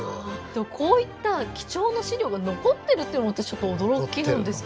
でもこういった貴重な資料が残ってるっていうのも私驚きなんですけど。